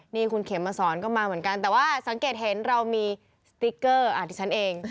นี่คุณเขมมาสอนก็มาเหมือนกันแต่ว่าสังเกตเห็นเรามีสติ๊กเกอร์ที่ฉันเอง